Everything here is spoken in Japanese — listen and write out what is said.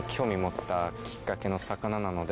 なので。